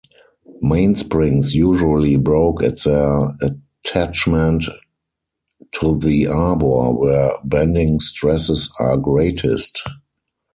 Mainsprings usually broke at their attachment to the arbor, where bending stresses are greatest.